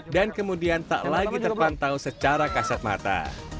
dan kemudian tak lagi terpantau secara kasat mata